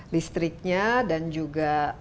listriknya dan juga